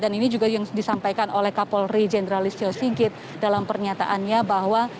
dan ini juga yang disampaikan oleh kapolri jenderalis yosigit dalam pernyataannya bahwa